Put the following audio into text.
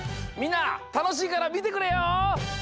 みんなたのしいからみてくれよ！